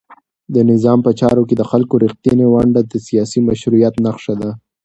د نظام په چارو کې د خلکو رښتینې ونډه د سیاسي مشروعیت نښه ده.